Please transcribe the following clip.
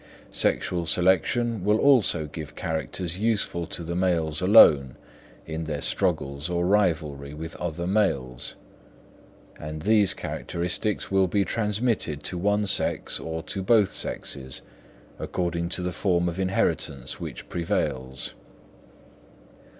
Sexual selection will also give characters useful to the males alone in their struggles or rivalry with other males; and these characters will be transmitted to one sex or to both sexes, according to the form of inheritance which prevails.